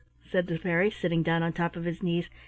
said the fairy, sitting down on top of his knees.